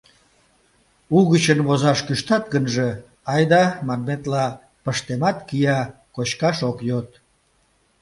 Угычын возаш кӱштат гынже... айда, манметла, пыштемат, кия, кочкаш ок йод.